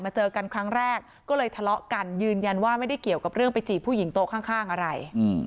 เจอกันครั้งแรกก็เลยทะเลาะกันยืนยันว่าไม่ได้เกี่ยวกับเรื่องไปจีบผู้หญิงโต๊ะข้างอะไร